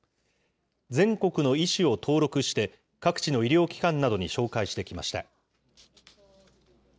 全国の医師を登録して、各地の医療機関などに紹介してきました。